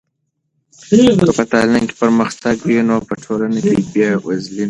که په تعلیم کې پرمختګ وي نو په ټولنه کې بې وزلي نه وي.